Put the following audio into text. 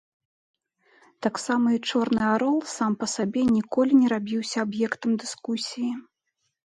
Таксама і чорны арол сам па сабе ніколі не рабіўся аб'ектам дыскусіі.